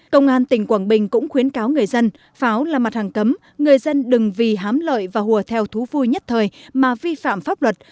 công an tỉnh quảng bình cũng khuyến cáo người dân pháo là mặt hàng cấm người dân đừng vì hám lợi và hùa theo thú vui nhất thời mà vi phạm pháp luật